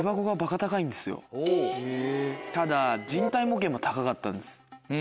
ただ人体模型も高かったんです。